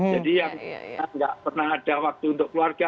jadi yang nggak pernah ada waktu untuk keluarga